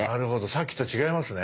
さっきと違いますね。